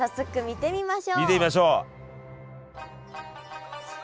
見てみましょう。